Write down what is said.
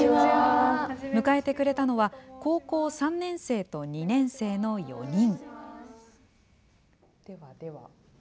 迎えてくれたのは高校３年生と２年生の４人。